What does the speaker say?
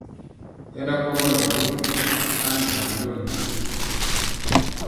Hɛ kwaŋgɔlɔ mɔɔ ri a minɔ mɛnyɔgi du.